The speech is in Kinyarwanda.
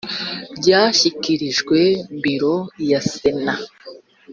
byashyikirijwe biro ya sena